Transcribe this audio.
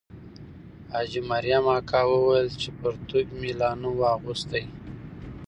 حاجي مریم اکا وویل چې پرتوګ مې لا نه وو اغوستی.